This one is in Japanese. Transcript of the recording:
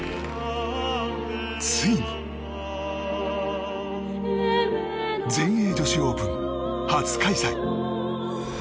ついに全英女子オープン初開催。